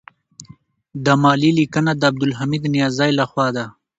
دا مالي لیکنه د عبدالحمید نیازی لخوا ده.